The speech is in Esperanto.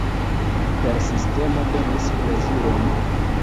Persistemo donis plezuron!